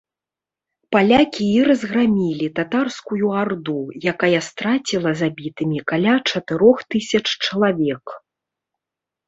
Палякі і разграмілі татарскую арду, якая страціла забітымі каля чатырох тысяч чалавек.